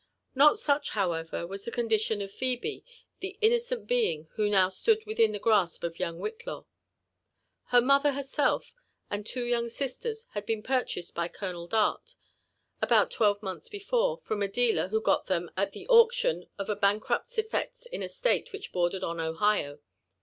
Not such, however, was the condition of Phebe, the innocent being who now stood within the grasp of young Whitiaw. Her mother, herself, and two young sisters, had been purchased by Colonel Dart, about twelve months before, from a dealer who got them at the auc M UF£ AND ADVENTUEB8 OF lion of a bankrupt's effects io a State which bordered on Ohio.